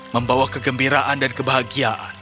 membawa kegembiraan dan kebahagiaan